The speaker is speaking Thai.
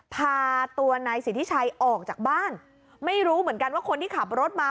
พาตัวนายสิทธิชัยออกจากบ้านไม่รู้เหมือนกันว่าคนที่ขับรถมา